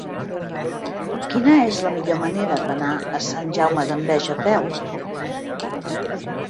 Quina és la millor manera d'anar a Sant Jaume d'Enveja a peu?